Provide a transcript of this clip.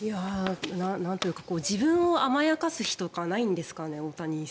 自分を甘やかす日とかないんですかね。